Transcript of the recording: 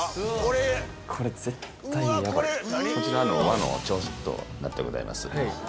こちら和の朝食となってございます。